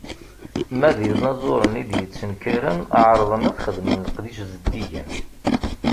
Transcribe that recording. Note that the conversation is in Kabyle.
Ma d inaẓuren i d-yettenkaren, ɛerrḍen ad xedmen leqdic zeddigen.